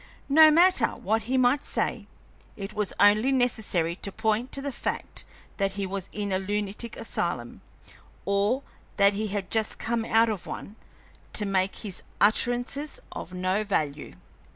No matter what he might say, it was only necessary to point to the fact that he was in a lunatic asylum, or that he had just come out of one, to make his utterances of no value.